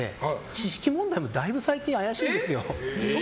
知識問題もだいぶ最近怪しいんですよ。